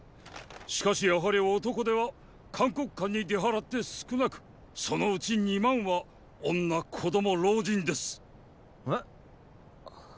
しかしやはり男手は函谷関に出払って少なくそのうち二万は女・子供・老人です。え？！